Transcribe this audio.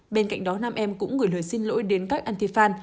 bên cạnh đó nam em cũng gửi lời xin lỗi đến các antifan